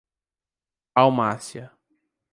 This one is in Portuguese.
Palmácia